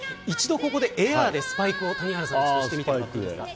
今、エアでスパイクをしてもらっていいですか。